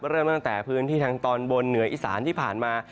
เริ่มตั้งแต่พื้นที่ทางตอนบนเหนืออีสานที่ผ่านมา